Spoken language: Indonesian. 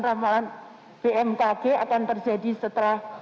ramalan bmkg akan terjadi setelah